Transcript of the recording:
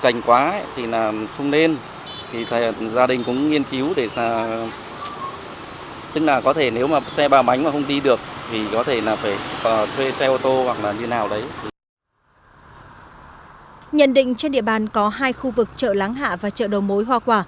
nhận định trên địa bàn có hai khu vực chợ láng hạ và chợ đầu mối hoa quả